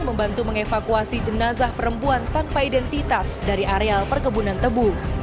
membantu mengevakuasi jenazah perempuan tanpa identitas dari areal perkebunan tebu